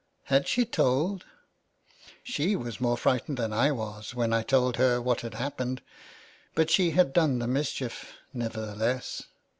'' Had she told ?"" She was more frightened than I was when I told her what had happened, but" she had done the mischief nevertheless.